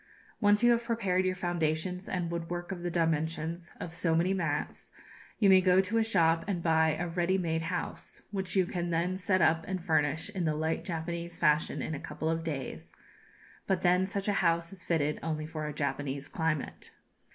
Once you have prepared your foundations and woodwork of the dimensions of so many mats, you may go to a shop and buy a ready made house, which you can then set up and furnish in the light Japanese fashion in a couple of days; but then such a house is fitted only for a Japanese climate.